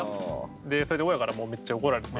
それで親からもうめっちゃ怒られて。